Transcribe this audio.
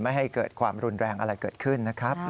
ไม่ให้เกิดความรุนแรงอะไรเกิดขึ้นนะครับ